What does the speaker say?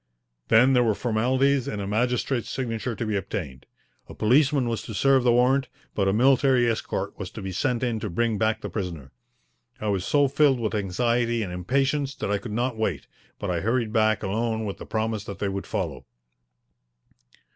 Then there were formalities and a magistrate's signature to be obtained. A policeman was to serve the warrant, but a military escort was to be sent in to bring back the prisoner. I was so filled with anxiety and impatience that I could not wait, but I hurried back alone with the promise that they would follow.